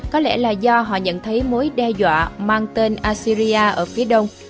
có lẽ là do họ nhận thấy mối đe dọa mang tên asyria ở phía đông